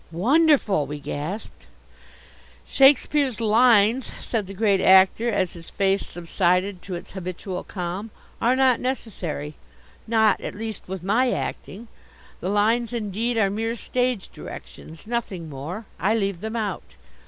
"Wonderful!" we gasped. "Shakespeare's lines," said the Great Actor, as his face subsided to its habitual calm, "are not necessary; not, at least, with my acting. The lines, indeed, are mere stage directions, nothing more. I leave them out.